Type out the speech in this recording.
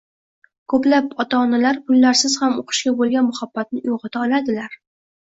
Ko‘plab ota-onalar pullarsiz ham o‘qishga bo‘lgan muhabbatni uyg‘ota oladilar.